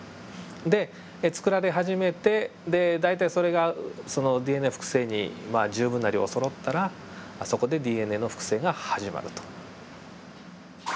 で作られ始めて大体それがそのＤＮＡ複製にまあ十分な量そろったらそこでＤＮＡの複製が始まると。